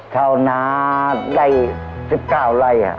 เช่านาได้๑๙ไร่